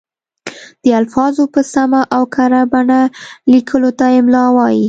د الفاظو په سمه او کره بڼه لیکلو ته املاء وايي.